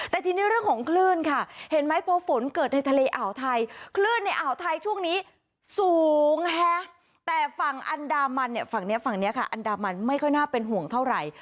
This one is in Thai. แต่ทีนี้เรื่องของคลื่นค่ะเห็นไหมพอฝนเกิดในทะเลอ่าวไทยคลื่นในอ่าวไทยช่วงนี้สูงฮะแต่ฝั่งอันดามันเนี่ยฝั่งนี้ฝั่งนี้ค่ะอันดามันไม่ค่อยน่าเป็นห่วงเท่าไหร่